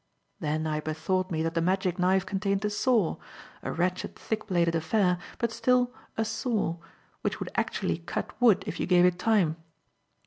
Then I bethought me that the magic knife contained a saw a wretched, thick bladed affair, but still a saw which would actually cut wood if you gave it time.